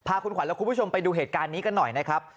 คุณขวัญและคุณผู้ชมไปดูเหตุการณ์นี้กันหน่อยนะครับ